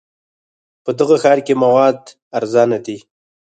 په دغه ښار کې مواد ارزانه دي.